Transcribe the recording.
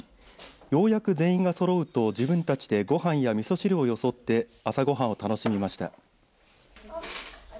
ようやく全員がそろうと自分たちでごはんやみそ汁をよそって朝ごはんを楽しみました。